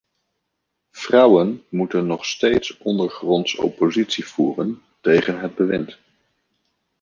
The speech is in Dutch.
Vrouwen moeten nog steeds ondergronds oppositie voeren tegen het bewind.